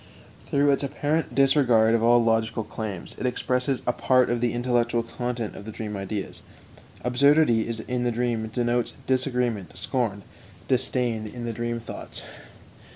Through its apparent disregard of all logical claims, it expresses a part of the intellectual content of the dream ideas. Absurdity in the dream denotes disagreement, scorn, disdain in the dream thoughts.